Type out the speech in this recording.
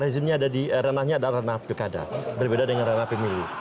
jadi renahnya adalah renah pilkada berbeda dengan renah pemilih